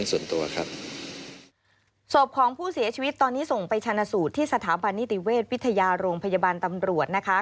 ส่วนตัวครับศพของผู้เสียชีวิตตอนนี้ส่งไปชนะสูตรที่สถาบันนิติเวชวิทยาโรงพยาบาลตำรวจนะคะ